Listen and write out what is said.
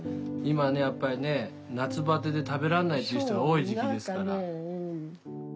今ねやっぱりね夏バテで食べらんないっていう人が多い時期ですから。